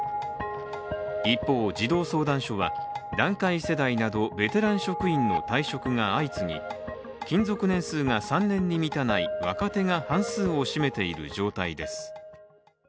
一方、児童相談所は、団塊世代などベテラン職員の退職が相次ぎ、勤続年数が３年に満たない若手が半数を占めている状態です。